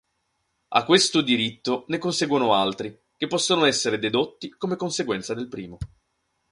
A questo diritto ne conseguono altri, che possono essere dedotti come conseguenza del primo.